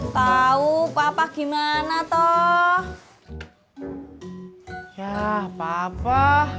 tahu papa gimana toh ya papa